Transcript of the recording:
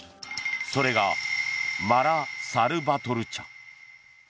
それが、マラ・サルバトルチャ。